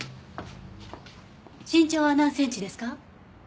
身長は何センチですか？